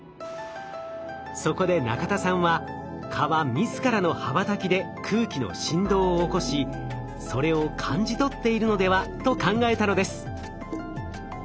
そこで中田さんは蚊は自らの羽ばたきで空気の振動を起こしそれを感じ取っているのではと考えたのです。